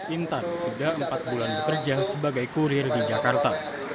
intan sudah empat bulan bekerja sebagai kurir di jakarta